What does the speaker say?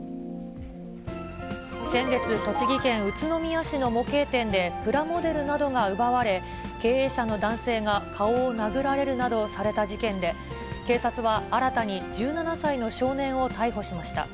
先月、栃木県宇都宮市の模型店で、プラモデルなどが奪われ、経営者の男性が顔を殴られるなどされた事件で、警察は新たに１７歳の少年を逮捕しました。